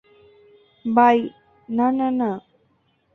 By না, না, না।